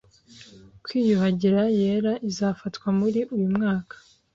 kwiyuhagira yera izafatwa muri uyu mwaka.